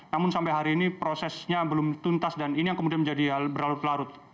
namun sampai hari ini prosesnya belum tuntas dan ini yang kemudian menjadi berlarut larut